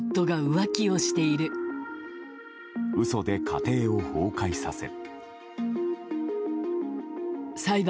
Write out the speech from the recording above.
嘘で家庭を崩壊させ。